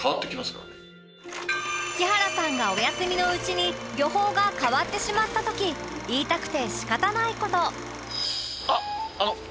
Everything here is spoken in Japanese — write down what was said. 木原さんがお休みのうちに予報が変わってしまった時言いたくて仕方ない事